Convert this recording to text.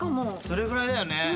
それぐらいだよね。